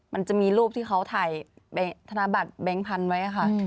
มันจะมีรูปที่เขาถ่ายธนบัตรแบงค์พันธุ์ไว้ค่ะ